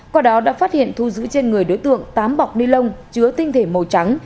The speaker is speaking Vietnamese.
qua đó đã phát hiện thu giữ trên người đối tượng tám bọc ni lông chứa tinh thể màu trắng